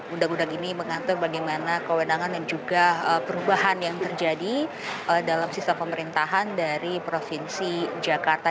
undang undang ini mengatur bagaimana kewenangan dan juga perubahan yang terjadi dalam sisa pemerintahan dari provinsi jakarta